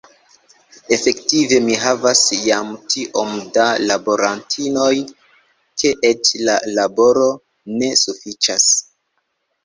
Efektive mi havas jam tiom da laborantinoj, ke eĉ la laboro ne sufiĉas.